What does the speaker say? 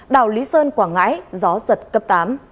đảo lý sơn quảng ngãi gió giật cấp tám